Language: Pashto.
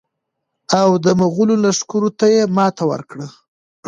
او د مغولو لښکرو ته یې ماته ورکړه.